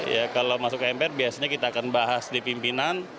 ya kalau masuk ke mpr biasanya kita akan bahas di pimpinan